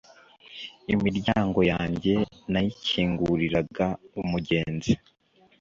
imiryango yanjye nayikinguriraga umugenzi